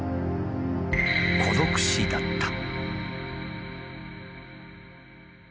「孤独死」だった。